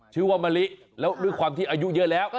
มะลิแล้วด้วยความที่อายุเยอะแล้ว